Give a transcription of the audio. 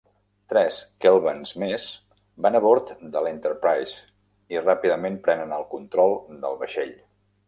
Tres Kelvans més van a bord de la "Enterprise" i ràpidament prenen el control del vaixell.